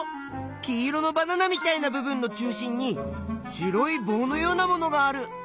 黄色のバナナみたいな部分の中心に白いぼうのようなものがある。